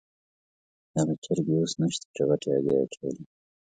هغه چرګې اوس نشته چې غټې هګۍ یې اچولې.